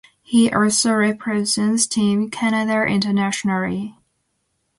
He also represents Team Canada internationally.